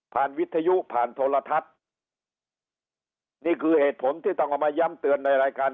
วิทยุผ่านโทรทัศน์นี่คือเหตุผลที่ต้องเอามาย้ำเตือนในรายการ